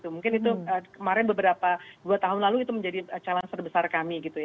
mungkin itu kemarin beberapa dua tahun lalu itu menjadi calon terbesar kami